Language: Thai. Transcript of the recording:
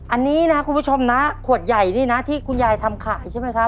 อันนี้นะคุณผู้ชมนะขวดใหญ่นี่นะที่คุณยายทำขายใช่ไหมครับ